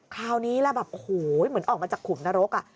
คราวนี้แหละแบบโอ้โหเหมือนออกมาจากขุมนรก